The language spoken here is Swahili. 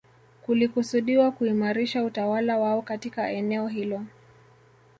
Kulikusudiwa kuimarisha utawala wao katika eneo hilo